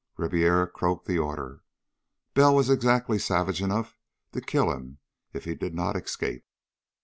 Ribiera croaked the order. Bell was exactly savage enough to kill him if he did not escape.